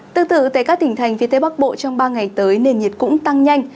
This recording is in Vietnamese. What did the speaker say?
từ từ tại các tỉnh thành phía tây bắc bộ trong ba ngày tới nền nhiệt cũng tăng nhanh